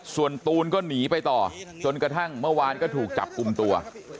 ส่วนตูนก็หนีไปต่อจนกระทั่งเมื่อวานก็ถูกจับกลุ่มตัว